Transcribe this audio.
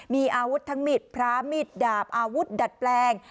มีอาวุธทั้งมีดพระมิดดาบอาวุธดัดแปลง